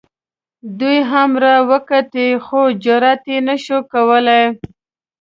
دوی هم را وکتلې خو جرات یې نه شو کولی.